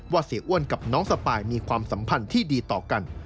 เสียอ้วนกับน้องสปายมีความสัมพันธ์ที่ดีต่อกัน